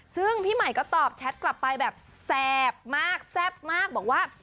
ซึ่งพี่ใหม่ก็ตอบแชทกลับไปแบบแซ่บมากแซ่บมากบอกว่า